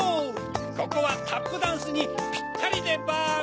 ここはタップダンスにぴったりでバーム。